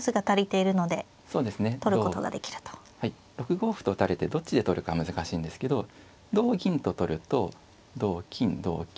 ６五歩と打たれてどっちで取るか難しいんですけど同銀と取ると同金同金